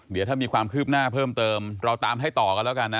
เดี๋ยวถ้ามีความคืบหน้าเพิ่มเติมเราตามให้ต่อกันแล้วกันนะ